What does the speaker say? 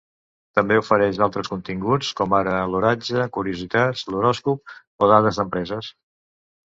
També ofereix altres continguts com ara l'oratge, curiositats, l'horòscop o dades d'empreses.